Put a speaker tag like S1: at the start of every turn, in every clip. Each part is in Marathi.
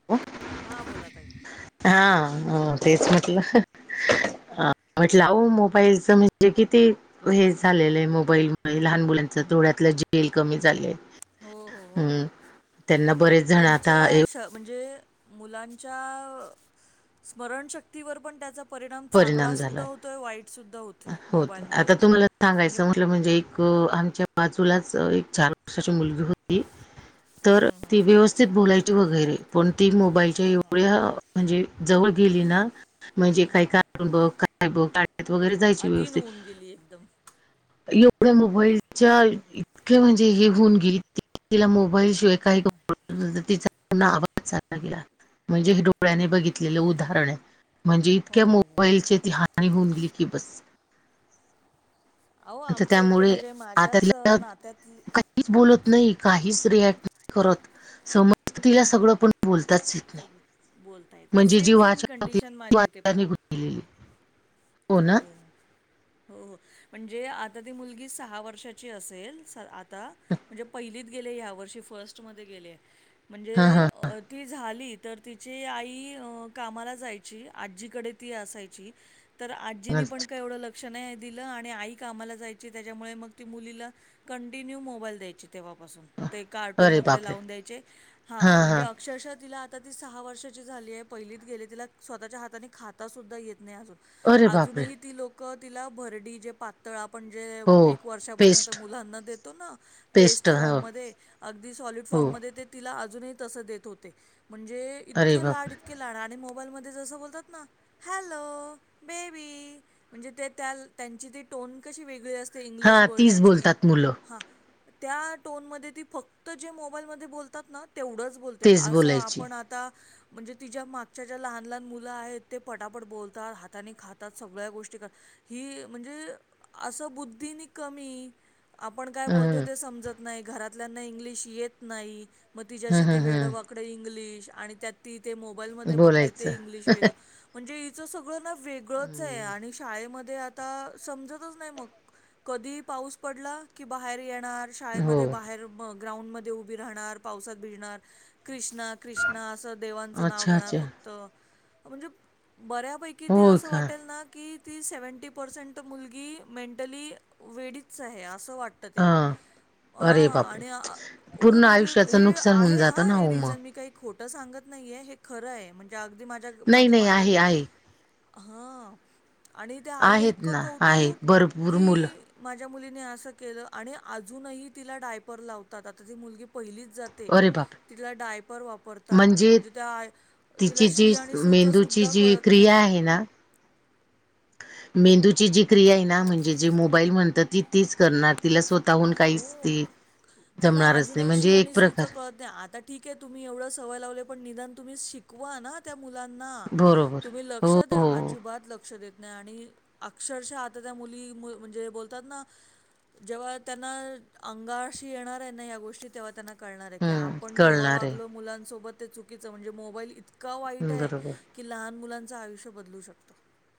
S1: [unintelligible]
S2: हा बोला ताई.
S1: हा हो. तेच म्हटलं हा. म्हटलं आओ मोबाईलच म्हणजे किती? हे झालेलं आहे मोबाईलमुळे लहान मुलांच डोळ्यातलं जेल कमी झालय.
S2: हो. हो हो
S1: हम्म. त्यांना बरेच जण आता
S2: त्यांच्या
S1: हे
S2: श म्हणजे मुलांच्या स्मरणशक्तीवर पण त्याचा परिणाम चांगला सुद्धा होतो. तो वाईट सुद्धा होत.
S1: होत आता तुम्हाला सांगायचं म्हटलं म्हणजे. आमच्या बाजूलाच एक चार वर्षाची मुलगी होती तर ती व्यवस् व्यथ बोलायची वगैरे पण ती मोबाईलच्या एवढ्या म्हणजे जवळ गेली ना. म्हणजे काही कार्टून बघ काय बघण्यात वगैरे जायची
S2: अधीन
S1: व्यवस्थित
S2: होऊन गेली एकदम
S1: एवढ्या मोबाईलच्या इतक म्हणजे हे होऊन गेल क तला मोबाईल शिवाय. काही ग तिचा पन आवाज चाला गेला म्हणजे हे डोळ्याने बघितलेलं उदाहरण आहे. म्हणजे
S2: हो
S1: इतक्या
S2: हो हो
S1: मोबाईलची ती हानी होऊन गेली की बस.
S2: अहो
S1: तर
S2: आमचं इथे
S1: त्यामुळे
S2: म्हणजे माझ्याच नात्याततली.
S1: का बोलत नाही काहीच रिएक्ट नाही करत समजत तिला सगळं पण बोलतच.
S2: सगळ बोलता येत नाही सेम सेम
S1: होती
S2: कंडिशन
S1: ती
S2: माझ्या इथे
S1: वाचा
S2: पण आहे.
S1: निघून हो ना.
S2: हो, हो. म्हणजे आता ती मुलगी सहा वर्षाची असेल आता म्हणजे पहिली गे ह वर्षी फर्स्टमध्ये गेले
S1: हां
S2: म्हणजे
S1: हां
S2: ती झाली तर तिची आई कामाला जायची आजीकडे ती असायची. तर आजीनी पण
S1: अच्छा
S2: काय एवढं लक्ष नाही आहे दि आणि आई कामाला जायची त्याच्यामुळे मग ती मुलीला कंटिन्यू मोबाईल द्यायची तेव्हापासून. ते कार्टून
S1: अरे
S2: वगैरे
S1: बापरे
S2: लावून द्यायचे हा
S1: हां
S2: म्हणजे.
S1: हां
S2: अक्षरशः तिला आता ती सहा वर्षाची झाली आहे पहिलीत गेली तिला स्वतःच्या हाताने खाता सुुद्धा येत नाही आजत
S1: अरे बापरे
S2: अजूनही ती लोक तिला भरडी जे प तर आपण जे
S1: हो
S2: एक वर्षापर्यंत
S1: पेस्ट
S2: मुलांना देतो ना पेस्ट फॉर्म म अगदी सॉलिड
S1: हो
S2: फॉर्म मध्ये ते तिला अजूनही तस देत होते म्हणजे
S1: अरे
S2: इतके लाड
S1: बापरे!
S2: इतके लाड आणि मोबाईलमध्ये जस ना हॅलो ब म्हण त्यांची ती टोन कशी वेगळी असते इंग्लिश
S1: हां तीच
S2: बण्याची
S1: बोलतात मुलं
S2: हा. त्या टोनमध्ये ती फक्त जे मोबाईलमध्ये बोलतात ना तेवढंच बोलते
S1: तेच
S2: असं
S1: बोलायची.
S2: आपण आ त म्हणजे तिच्या मागच्या ज्या लहान लहान मुलं आहेत ते पटापट बोलतात हाताने खातात सगळ्या गोष्टी करात. ही म्हणजे असं बुद्धीनी कमी आपण काय बोलतोय
S1: हं,
S2: ते समजत. नाही घरातल्या इ् येत नाही मग त
S1: हं, हं, हं
S2: वेक इ् ती ते मोबाईल म बघते ते
S1: बोलायचं.
S2: इंग्लिश वेगळं म्हणजे हचं सगळं ना वेगळंच आहे
S1: हं,
S2: आणि शाळेमध्ये आता समजतच नाही मग कधी पाऊस पडला की बाहेर येणार.
S1: हो
S2: शाळेमध्ये बाहेर ग्राउंड म उभी राहणार पावसात भिजणार कृष कृष्णा असं देवांचं नाव
S1: अच्छा,
S2: घेणार
S1: अच्छा
S2: फक्त म्हणजे बऱ्यापैकी की ती
S1: होय
S2: असं
S1: का?
S2: वाटेल ना की ती सेव्हन्टी ीसेंट मुलगी मेंटली वेडीच आहे असं वाटत ते.
S1: हां,
S2: अ
S1: अरे बापरे!
S2: आणि हो
S1: पूर्ण
S2: म्हणजे
S1: आयुष्याचं
S2: हे
S1: नुकसान होऊन
S2: आहे
S1: जातं
S2: हा
S1: ना
S2: हे
S1: हो मग.
S2: रिझन मी काही खोटं सांगत नाहीे हे खरं आहे म्हणजे अगदी माझ्या
S1: नाही,
S2: माझ्या
S1: नाही
S2: माहेरी
S1: आहे, आहे.
S2: हा आणि त्या आईला
S1: आहेत
S2: इतकं
S1: ना आहे
S2: कौतुक
S1: भरपूर मुलं
S2: की माझ्या मुलीने असं केलं आणि अजूनही तिला डायपर लावतात आता ती मुलगी पहिलीच जाते
S1: अरे बापरे!
S2: तिथला डायपर वापरतात म्हणजे त्या आय तिला
S1: तिची
S2: शी आणि सु च सुद्धा कळत नाही.
S1: हे ना. मेंदूची जी क्रिया आहे ना म्हणजे जे मोबाईल म्हणतात ती तेीच करणार तिला स्वतः.. स्वतः हून काहीच
S2: हो.
S1: त
S2: तिला
S1: जमणारच नाही
S2: अजूनही शी
S1: म्हणजे
S2: आणि
S1: एक प्रकार.
S2: सूचं कळत आता ठीक आहे तुम्ही एवढं सवय लावले पण निदान तुम्ही शिकवा ना त्या मुलांना
S1: बरोबर
S2: तुम्ही
S1: हो
S2: लक्ष द्या
S1: हो
S2: अजिबात लक्ष देत नाही आणि अक्षरशः आता त्या मुली मुल म्हणजे बोलतात ना जेव्हा त्यांना अंगारशी येणार आहे ना, या गोष्टी तेव्हा त्यांना कळणार हे की
S1: हम्म
S2: आपण तेव्हा
S1: कळणार
S2: वागलो
S1: आहे
S2: मुलांसोबत ते चुकीच म्हणजे मोबाईल इतका वाईट आहे.
S1: बरोबर
S2: की लहान मुलांचं आयुष्य बदलू शकतं.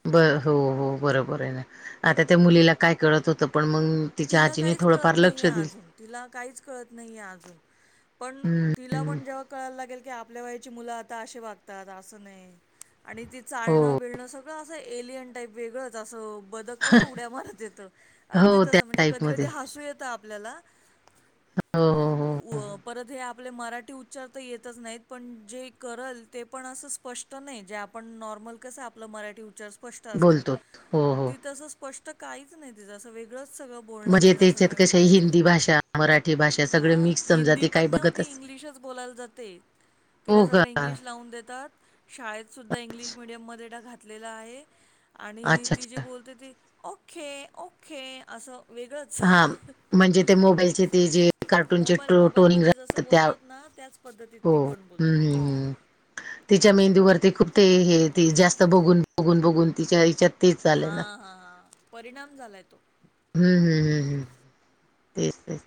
S1: ब हो हो बरोबर हे ना, आता त्या मुलीला काय कळत होतं पण मंग
S2: तिला काहीच कळत नाहीे आजून तिला काहीच कळत नाहीे आजून पण
S1: हम्म
S2: तिला पण जेव्हा कळायला लागेल की आपल्या वयाची मुलं आता अशी वागतात असं नाही. आणि ती
S1: हो
S2: चाळणं बिळणं सगळं असं एलियन टाईप वेगळं. जसं बदक कसं उड्या मारत येतं अगदी
S1: हो त्या
S2: तसं म्हणजे कधी
S1: टाईपमध्ये
S2: कधी हासू येतं आपल्याला.
S1: हो हो हो.
S2: व परत हे आपले मराठी उच्चार तर येतच नाहीत पण जे करल ते पण असं स्पष्ट नाही जे आपण नॉर्मल कसं आपलं मराठी उच्चार स [unintelligible] स्पष्ट असतात
S1: बोलतो हो हो
S2: ती तसं स्पष्ट काही च नाही तिचं असं वेगळं च सगळ बोळणं
S1: म्हणजे
S2: बिलणं
S1: त्याच्यात
S2: सगळं
S1: कशा
S2: वेगळच आहे.
S1: हिंदी भाषा मराठी भाषा
S2: हा
S1: सगळे मिक्स समजा
S2: हिंदी
S1: ते काही
S2: पण नाही हो ती
S1: बघतच
S2: इंग्लिशच बोलायला जाते.
S1: हो
S2: तिला
S1: का
S2: सगळं इंग्लिश लावून देतात. शाळेत सुद्धा इंग्लिश मिडियम मध्ये ड घातलेला आहे आणि
S1: अच्छा
S2: ती जे
S1: अच्छा
S2: बोलते ती. ओके ओके असं वेगळंच.
S1: हा म्हणजे ते मोबाईलचे ते जे कार्टूनचे
S2: मोबाईल
S1: ड्रो टोल निं घा
S2: मोबाईलमध्ये
S1: [unintelligible] राहत
S2: जसं
S1: त्या
S2: बोलतात ना त्याच पद्धतीत
S1: हो
S2: ती पण
S1: हम्म
S2: बोलते
S1: हम्म. तिच्या
S2: असं आहे
S1: मेंहदीवरती खूप ते हे ते जास्त बघून बघून बघून तिच्या हिच्यात. तेच झालंय
S2: हा
S1: ना.
S2: हा परिणाम झालाय तो.
S1: हम्म हम्म हम्म हम्म तेच तेच.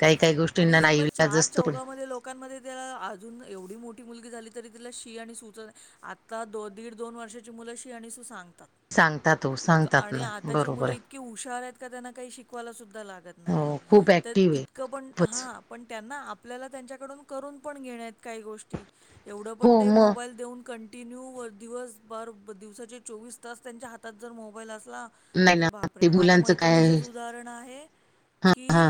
S1: काही काही गो
S2: आणि म चार चौघामध्ये लोक लोकांमध्ये त्याला अजून एवढी मोठी मुलगी झाली तरी तिला शी आणि सु च आत आता दो दीड दोन वर्षाची मुलं शी आणि सुू
S1: हो
S2: सांगतात इतकं
S1: सांगतात
S2: आणि
S1: ना
S2: आताची
S1: बरोबर
S2: मुलं इत
S1: आहे
S2: इतक हुशार आहेत का त्यांना काही शिकवायला सुद्धा लागत नाहीये
S1: हो खूप
S2: तर
S1: ऍक्टिव्ह आहे
S2: इतकं पण
S1: खूपच
S2: हा. पण त्यांना आपल्याला त्यांच्याकडून करून पण घेण्यात काही गोष्टी एवढं पण
S1: हो
S2: ते
S1: मग
S2: मोबाईल देऊन. कंटिन्यू वर दिवस बर ब दिवसाचे चोवीस तास त्यांच्या हातात जर मोबाईल असला
S1: नाही
S2: तर
S1: ना ते
S2: बापरे माझ्या
S1: मुलांचं काय
S2: मैत्रिणीचच उदाहरण आहे कि
S1: हा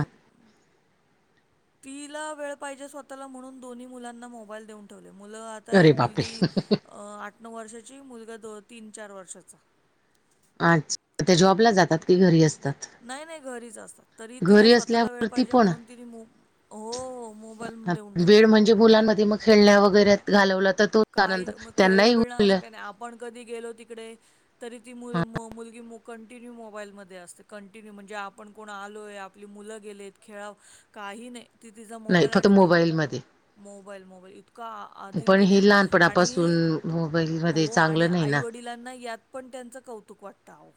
S2: तीला वेळ पाहिजे स्वतःला म्हणून दोन्ही मुलांना मोबाईल देऊन ठेवले मुलं आता
S1: अरे
S2: एक
S1: बापरे
S2: मुलगी आठ, नऊ वर्षाची मुलगा दो तीन, चार. वर्षाचा.
S1: अच्छ त्या जॉबला जातात की घरी असतात.
S2: नाही नाही घरीच असतात तरी तिला
S1: घरी
S2: स्वतःला वेळ
S1: असल्यावरती
S2: पाहिजे
S1: पण
S2: म्हणून
S1: हा,
S2: तिने मो हो हो मोबाईल [unintelligible] देऊन ठेवला आहे.
S1: ते मुलां मध्ये खेळण्या वगैरे घालवला तर तो.
S2: काही म खेळणं बिळणं असं काही नाही आपण कधी गेलो तिकडे तरी ती मु मुलगी मुक कंटिन्यू मोबाईलमध्ये असते कंटिन्यू म्हणजे आपण कोण आलो आहे आपली मुलं गेलेत खेळा काही नाही. ती तिचा
S1: नाही
S2: मोबाईल
S1: फक्त
S2: आणि ती
S1: मोबाईलमध्ये
S2: मोबाईल मोबाईल इतका आधीन
S1: पण हे
S2: गेलेत
S1: लहानपणापासून
S2: आणि
S1: मोबाईलमध्ये
S2: हो आणि
S1: चांगलं नाही
S2: आई
S1: ना.
S2: वडिलांना यात पण त्यांचं कौतुक वाटतं आवो.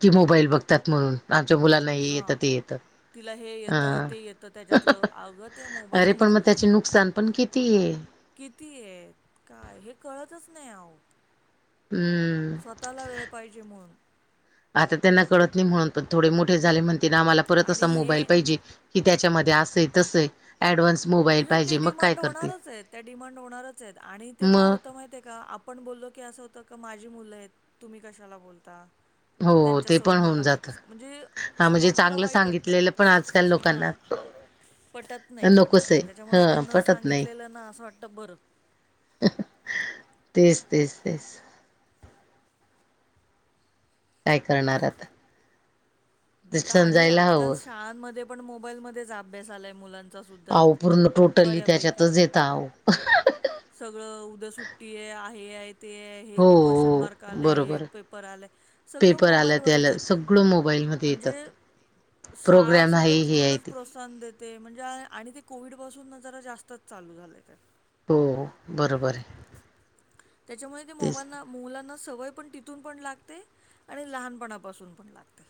S1: कि मोबाईल बघतात म्हणून आमच्या मुलांना हे येतं
S2: हां.
S1: ते येतं.
S2: तिला हे येतं
S1: अ
S2: ते येतं त्याच्यातलं अगं ते
S1: अरे पण
S2: मोबाईलमध
S1: मग त्याचे
S2: आत.
S1: नुकसान पण किती आहे
S2: किती ये काय हे कळतच नाही आओ.
S1: हम्म.
S2: स्वतःला वेळ पाहिजे म्हणून.
S1: आता त्यांना कळत नाही म्हणून पण थोडे मोठे झाले म्हणतीन आम्हाला परत
S2: आणि
S1: असा मोबाईल
S2: हे
S1: पाहिजे. कि त्याच्यामध्ये असे तसंय ऍडव्हान्स मोबाईल
S2: हे ते
S1: पाहिजे मग काय
S2: डिमांड
S1: करतील.
S2: होणारच आहेत त्या डिमांड होणारच आहेत आणि ते काय
S1: मग
S2: होतं माहित आहे का आप आपण बोललो की असं होतं का माझी मुलं आहेत तुम्ही कशाला बोलता
S1: हो
S2: त्यांच्या
S1: ते
S2: सोयी
S1: पण होऊन
S2: मला माहिती
S1: जातं.
S2: असत म्हणजे
S1: हा म्हणजे
S2: समोरच्याला
S1: चांगलं
S2: वाईट वाटत
S1: सांगितलेलं पण आजकाल
S2: हा
S1: लोकांना
S2: हा पटत नाही पटत
S1: नकोच आहे.
S2: नाही त्याच्यामुळे ते
S1: हा
S2: न
S1: पटत नाही
S2: सांगितलेलं ना असं वाटतं बरं.
S1: तेच तेच तेच काय करणार आता ते
S2: आणि
S1: समजायला
S2: आजकाल
S1: हवं
S2: शाळांमध्ये पण मोबाईलमध्येच अभ्यास आलाय मुलां
S1: आऊ पूर्ण टोटली त्याच्यातच येतं आऊ
S2: सगळं उद्या सुट्टीये आहे हे आहे ते आहे. हे
S1: हो
S2: क्वेश्चन मार्क
S1: हो
S2: आलं हे
S1: बरोबर
S2: पेपर आलंय सगळं
S1: पेपर आला
S2: मोबाईलवरच
S1: त्याला
S2: येतं
S1: सगळं मोबाईलमध्ये
S2: म्हणजे
S1: येतात
S2: शाळा
S1: प्रोग्राम आहे
S2: सुुद्धा
S1: हे आहे
S2: तिकडूनच
S1: ते
S2: प्रोस सण देते म्हणजे आणि ते कोविडपासून जरा जास्तच चालू झालेय त्या
S1: हो बरोबर हाय
S2: त्याच्यामुळे ते मोबाईलना [unintelligible] मुलांना सवय पण तिथून पण लागते आणि लहानपणापासून पण लागते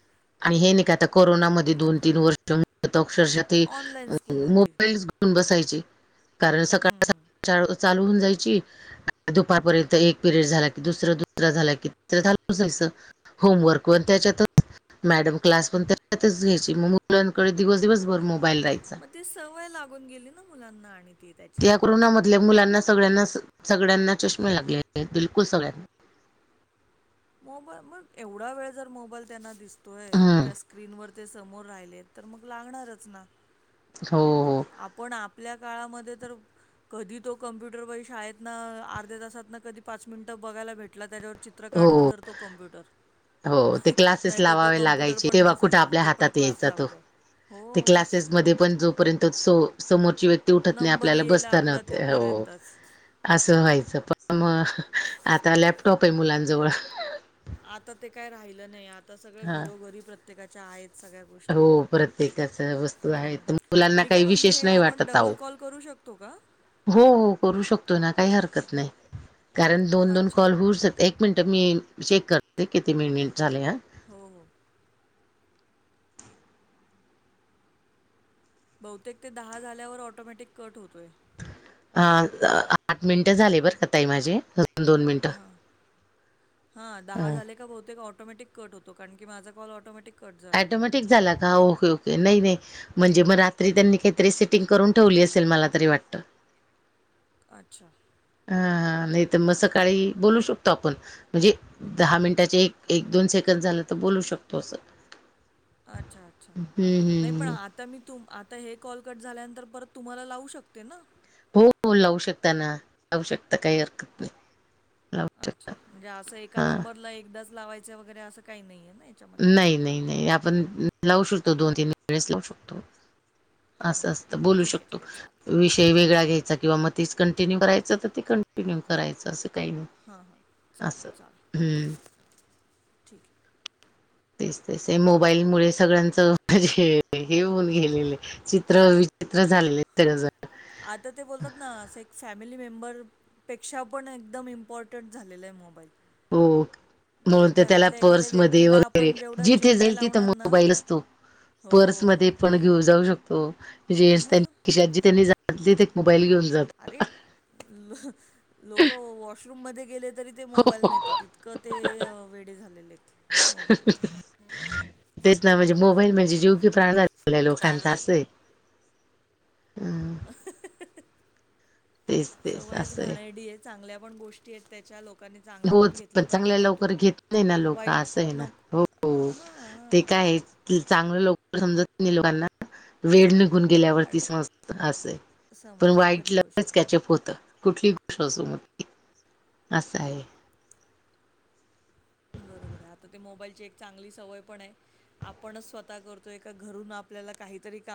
S1: आणि हे नाही का आता कोरोनामध्ये दोन तीन वर्ष मिळत आक्षरशा ते
S2: ऑनलाईन स्कूल होती.
S1: मोबाईल बसायची कारण सकाळ
S2: हम्म.
S1: [unintelligible] चालू होऊन जायची दुपारपर्यंत एक पिरियड झाला की दुसर दुसरा झाला कि तसरं झा [unintelligible] जायचं होमवर्क वण [unintelligible] त्याच्यात मॅडम क्लास पण त्याच्यातच घ्यायची मग मुलांकडे दिवस दिवसभर मोबाईल राहायच
S2: मग ती सवय लागून गेली ना मुलांना आणि ती त्या
S1: या कोरोनामधल्या मुलांना सगळ्यांना सगळ्यांना चष्मे लागलेले आहेत बिलकुल सगळ्यांना
S2: मोबाईल मग एवढा वेळ जर मोबाईल त्यांना दिसतोय
S1: हम्म
S2: त्या स्क्रीनवर ते समोर राहिले तर मग लागणारच ना
S1: हो हो
S2: आपण आपल्या काळामध्ये तर कधी तो कम्प्युटर बाई शाळेत ना अर्ध्या तासात ना कधी पाच मिनिटं बघायला भेटला त्याच्यावर चित्र
S1: हो
S2: काढलं तर तो कम्प्युटर
S1: हो ते क्लासेस
S2: नाहीतर तो
S1: लावावे
S2: कम्प्युटर
S1: लागायचे
S2: पण
S1: तेव्हा कुठे
S2: नसायचा.
S1: आपल्या
S2: ते पण
S1: हातात यायचा
S2: क्लासला
S1: तो
S2: होत्या.
S1: क्लासेस
S2: हो.
S1: क्लासेस मध्ये पण जोपर्यंत समोरची व्यक्ती उठत नाही
S2: नंबर
S1: आपल्याला
S2: येईल
S1: बसता नाय
S2: आपला
S1: होतय हो
S2: तोपर्यंतच.
S1: असं व्हायचं पण मग आता लॅपटॉप आहे मुलांनजवळ
S2: आता ते काय राहिलं नाही आता सगळं
S1: हा
S2: घरोघरी प्रत्येकाच्या आहेत
S1: हो
S2: सगळ्यात
S1: प्रत्येकाच वस्तू आहेत
S2: [unintelligible]
S1: मुलांना
S2: मी काय
S1: काही
S2: म्हणते
S1: विशेष
S2: हे
S1: नाही
S2: आपण
S1: वाटत आहो
S2: डबल कॉल करू शक तो [unintelligible] का
S1: हो हो करू शकतो ना काही हरकत नाही कारण दोन दोन
S2: अच्छा.
S1: कॉल होऊ शक एक मिनिटं मी चेक करते किती मिनट झालेय
S2: हो हो बहुतेक ते दहा झाल्यावर ऑटोमॅटिक कट होतोय.
S1: हा आठ मिनिटं झाले बरं का ताई माझे. अजून दोन
S2: हां
S1: मिनिटं
S2: हां दहा झाले का बहुतेक ऑटोमॅटिक कट होतो. कारण की माझा कॉल ऑटोमॅटिक कट झाला तो.
S1: ऑटोमॅटिक झाला का ओके ओके नाही नाही म्हणजे मग रात्री त्यांनी काहीतरी सेटिंग करून ठेवली असेल मला तरी वाटत
S2: अच्छा
S1: हा नाही तर मग सकाळी बोलू शकतो आपण म्हणजे दहा मिनिटाचे एक एक दोन सेकंद झालं तर बोलू शकतो असं
S2: अच्छा! अच्छा!
S1: हम्म हम्म
S2: नाही पण
S1: हम्म.
S2: आता मी. तुम आता हे कॉल कट झाल्यानंतर परत तुम्हाला लावू शकते ना?
S1: हो हो लावू शकता ना. लावू शकता. काही हरकत नाही. लावू
S2: अच्छा! म्हणजे असं
S1: शकता
S2: एका
S1: हा
S2: नंबरला एकदाच लावायच वगैरे असं काही नाही आहे ना. याच्यामध्ये?
S1: नाही. नाही. नाही. आपण लावू शकतो. दोन-तीन वेळेस लावू शकतो.
S2: हां,
S1: असं
S2: हां.
S1: असत. बोलू
S2: ठीक आहे,
S1: शकतो.
S2: ठीक आहे. चालेल.
S1: विषय ते वेगळा घ्यायचा किंवा मग तीच कंटिन्यू करायचं, तर ते कंटिन्यू करायचं असं काही नाही.
S2: हां. हां. चालेल. चालेल.
S1: हम्म.
S2: ठीक आहे.
S1: तेच ते मोबाईल मुळे सगळ्यांचं म्हणजे हे होऊन गेलेले. चित्र विचित्र झालेले
S2: आता ते बोलतात ना असं एक फॅमिली मेंबर पेक्षा पण एकदम इम्पॉर्टंट झालेलं आहे मोबाईल.
S1: हो. म्हणून
S2: म्हणजे
S1: तर त्याला
S2: घरातल्या एखाद्या
S1: पर्समध्ये
S2: व्यक्तीला
S1: वगैरे
S2: आपण जेवढा
S1: जिथे
S2: जीव नाही
S1: जाईल तिथे
S2: लावणार ना
S1: मोबाईल असतो.
S2: हो,
S1: पर्समध्ये
S2: हो.
S1: पण घेऊ जाऊ शकतो जेन्स त्यांनी
S2: मग
S1: खिशात जिथे नाही तिथे ते एक मोबाईल घेऊन जातो.
S2: अरे ल लोक वॉशरूम मध्ये गेले तरी ते
S1: हो, हो.
S2: मोबाईल नेतात इतकं ते वेडे झालेले आहेत मोबाईलवर.
S1: तेच ना म्हणजे मोबाईल म्हणजे जीव की प्राण झाला लोकांचा असय.
S2: हहह
S1: तेच तेच
S2: सवयच
S1: असं आहे.
S2: घाणेरडी आहेत. चांगल्या पण गोष्टी आहेत त्याच्या लोक.
S1: होच पण चांगल्या लवकर घेत नाही ना लोक
S2: वाईट
S1: असं आहे ना हो. हो
S2: नको
S1: ते
S2: हां,
S1: काय चांगलं लोक समजत नाही लोकांना. वेळ निघून गेल्यावर
S2: हां.
S1: ती समजते असे. पण
S2: समजतं
S1: वाईट
S2: खरी गोष्ट
S1: लगेच
S2: आहे
S1: कॅचप होतं कुठली गोष्ट असू म असं आहे.
S2: बरोबर आहे. आता ते मोबाईलची एक चांगली सवय पण आहे. आपणच स्वतः करतो. एका घरून आपल्याला काहीतरी काम.